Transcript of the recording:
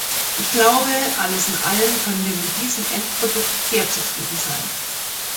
Ich glaube, alles in allem können wir mit diesem Endprodukt sehr zufrieden sein.